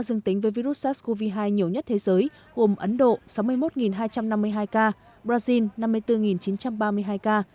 dương tính với virus sars cov hai nhiều nhất thế giới gồm ấn độ sáu mươi một hai trăm năm mươi hai ca brazil năm mươi bốn chín trăm ba mươi hai ca